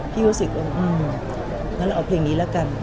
พี่รู้สึกว่าอืมงั้นเราเอาเพลงนี้แล้วกัน